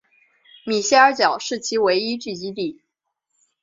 米歇尔角是其唯一聚居地。